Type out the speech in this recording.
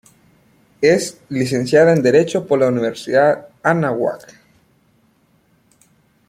Es licenciada en derecho por la Universidad Anáhuac.